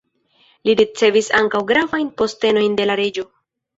Li ricevis ankaŭ gravajn postenojn de la reĝo.